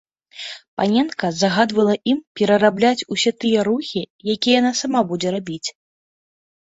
Паненка загадвала ім перарабляць усе тыя рухі, якія яна сама будзе рабіць.